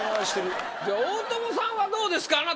じゃあ大友さんはどうですか？